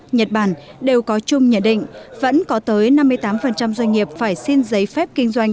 nhật bản đều có chung nhận định vẫn có tới năm mươi tám doanh nghiệp phải xin giấy phép kinh doanh